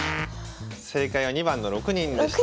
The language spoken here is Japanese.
正解は２番の６人でした。